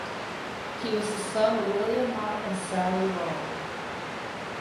He was the son of William Mott and Sally Lawler.